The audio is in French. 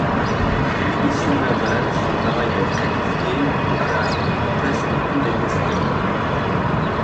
Les missions navales sont par ailleurs qualifiées de par presque tous les testeurs.